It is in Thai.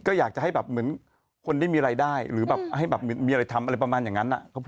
ก็อยากจะให้แบบเหมือนคนได้มีรายได้หรือแบบให้แบบมีอะไรทำอะไรประมาณอย่างนั้น